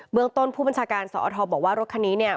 เมืองต้นผู้บัญชาการสอทบอกว่ารถคันนี้เนี่ย